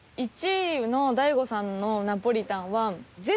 １位の大悟さんのナポリタンははあ。